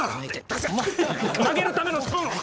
曲げるためのスプーン！